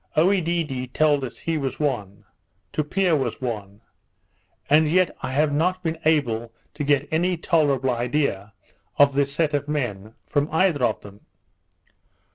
Oedidee told us he was one; Tupia was one; and yet I have not been able to get any tolerable idea of this set of men, from either of them.